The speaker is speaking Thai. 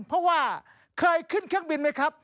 เพราะว่าเคยขึ้นเครื่องบินไหมครับ